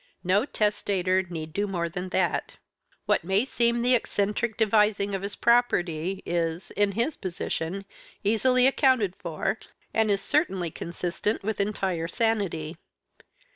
No testator need do more than that. What may seem the eccentric devising of his property is, in his position, easily accounted for, and is certainly consistent with entire sanity.